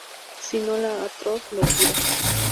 Si no la atroz locura.